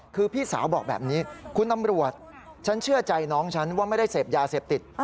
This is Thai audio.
คือพี่สาวบอกแบบนี้คุณตำรวจฉันเชื่อใจน้องฉันว่าไม่ได้เสพยาเสพติด